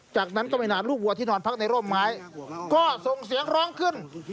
จากนั้นก็ไม่นานลูกวัวที่นอนพักในร่มไม้ก็ส่งเสียงร้องขึ้น